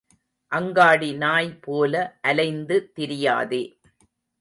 அங்காடி நாய் போல அலைந்து திரியாதே.